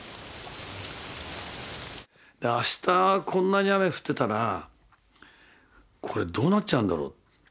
あしたこんなに雨降ってたらこれどうなっちゃうんだろう。